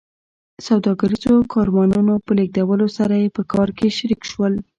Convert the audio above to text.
سوداګریزو کاروانونو په لېږدولو سره یې په کار کې شریک شول